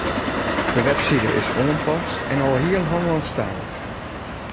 De webside is oanpast en alhiel Hollânsktalich